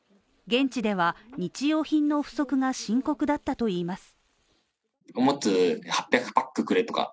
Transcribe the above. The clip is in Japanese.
現地では日用品の不足が深刻だったといいます。